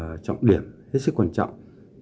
dự án trọng điểm hết sức quan trọng